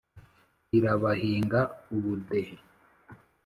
irabahinga ubudehe,